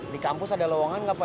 di kampus ada lowongan nggak pak